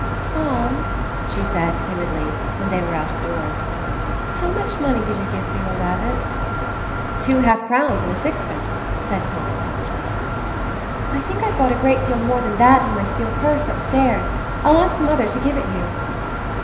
"Tom," she said, timidly, when they were out of doors, "how much money did you give for your rabbits?" "Two half crowns and a sixpence," said Tom, promptly. "I think I've got a great deal more than that in my steel purse upstairs. I'll ask mother to give it you."